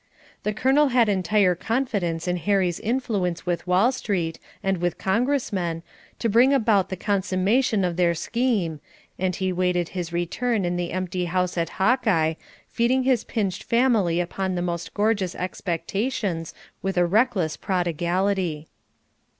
The Colonel had entire confidence in Harry's influence with Wall street, and with congressmen, to bring about the consummation of their scheme, and he waited his return in the empty house at Hawkeye, feeding his pinched family upon the most gorgeous expectations with a reckless prodigality.